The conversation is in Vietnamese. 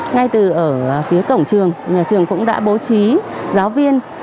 ngay từ ở phía cổng trường nhà trường cũng đã bố trí giáo viên